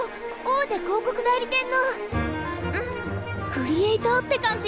クリエイターって感じ？